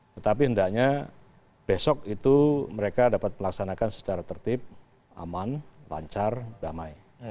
tetapi hendaknya besok itu mereka dapat melaksanakan secara tertib aman lancar damai